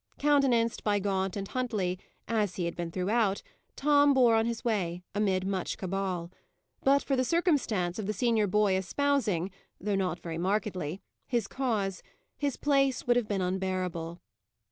Countenanced by Gaunt and Huntley, as he had been throughout, Tom bore on his way, amid much cabal; but for the circumstance of the senior boy espousing (though not very markedly) his cause, his place would have been unbearable.